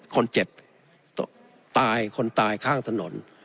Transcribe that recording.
คนตายคนตายข้างถนน